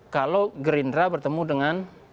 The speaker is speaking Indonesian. kalau gerindra bertemu dengan